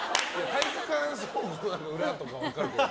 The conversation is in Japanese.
体育館倉庫の裏とかなら分かるけど。